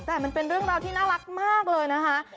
แต่มันเป็นเรื่องราวที่น่ารักมากเลยนะคะ